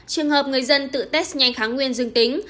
trường hợp người dân tự test nhanh kháng nguyên dương tính